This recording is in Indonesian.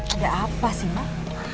gak apa sih mak